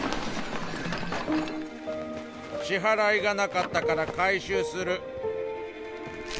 支払いがなかったから回収する。